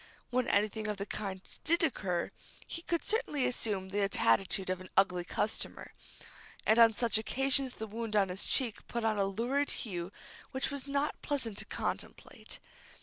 When anything of the kind did occur, he could certainly assume the attitude of an ugly customer, and on such occasions the wound on his cheek put on a lurid hue which was not pleasant to contemplate.